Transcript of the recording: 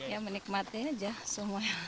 ya menikmati aja semua